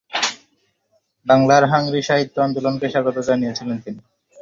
বাংলার হাংরি সাহিত্য আন্দোলনকে স্বাগত জানিয়েছিলেন তিনি।